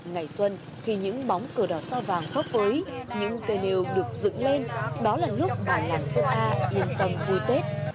ngày xuân khi những bóng cửa đỏ sao vàng khóc ới những cây nêu được dựng lên đó là lúc bà làng sơn a yên tâm vui tết